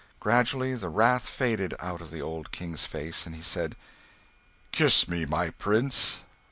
Gradually the wrath faded out of the old King's face, and he said "Kiss me, my prince.